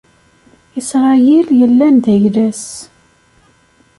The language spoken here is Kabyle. Isṛayil yellan d ayla-s.